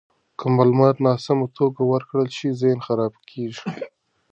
که معلومات ناسمه توګه ورکړل شي، ذهن خراب کیږي.